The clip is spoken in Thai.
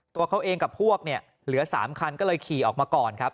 ตัวเขาเองกับพวกเนี่ยเหลือ๓คันก็เลยขี่ออกมาก่อนครับ